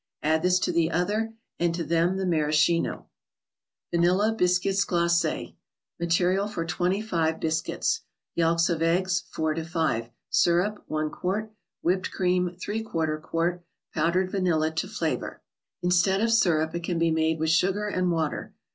Add this to the other, and to them the Maraschino. Manilla 'Bfsscuttg <Blace& Material / or twenty five Biscuits: Yelks of eggs, 4 to 5 , Syrup, 1 qt.; Whipped cream, % qt.; Powdered Vanilla, to flavor. Instead of syrup, it can be made with sugar and water.